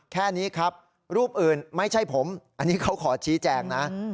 แค่นี้ครับรูปอื่นไม่ใช่ผมอันนี้เขาขอชี้แจงนะ